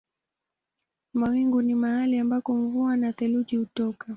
Mawingu ni mahali ambako mvua na theluji hutoka.